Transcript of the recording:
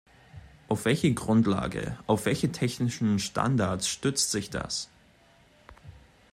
Auf welche Grundlage, auf welche technischen Standards stützt sich das?